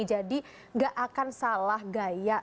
jadi gak akan salah gaya